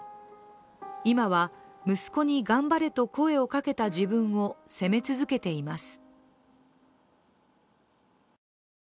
今は、息子に頑張れと声をかけた自分を責め続けています。